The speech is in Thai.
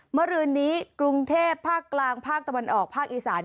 เมื่อคืนนี้กรุงเทพภาคกลางภาคตะวันออกภาคอีสาน